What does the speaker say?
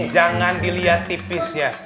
jangan dilihat tipisnya